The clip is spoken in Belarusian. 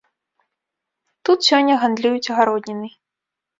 Тут сёння гандлююць агароднінай.